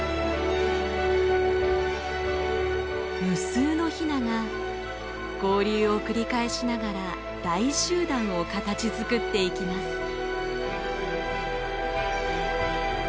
無数のヒナが合流を繰り返しながら大集団を形づくっていきます。